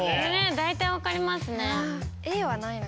大体分かりますね。